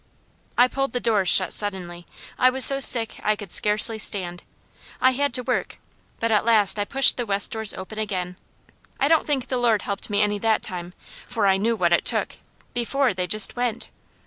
I pulled the doors shut suddenly. I was so sick I could scarcely stand. I had to work, but at last I pushed the west doors open again. I don't think the Lord helped me any that time, for I knew what it took before, they just went.